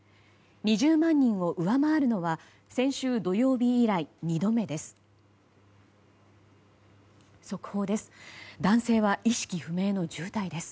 ２０万人を上回るのは先週土曜日以来２度目です。